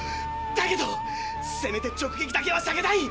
だけどせめて直撃だけはさけたい！